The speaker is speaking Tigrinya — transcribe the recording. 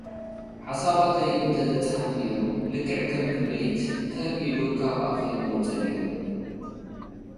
ሓሳባተይ እንተዝጸሓፍ ነይሩ፡ ልክዕ ከም ቅብሊት ተር ኢሉ ካብ ኣፈይ ምወጸ ነይሩ።